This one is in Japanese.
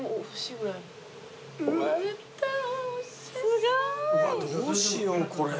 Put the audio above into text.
すごい！どうしようこれ。